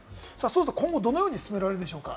今後どのように進められるんでしょうか？